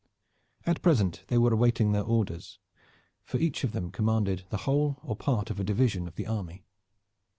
At present they were awaiting their orders, for each of them commanded the whole or part of a division of the army.